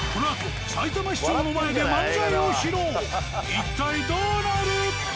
一体どうなる？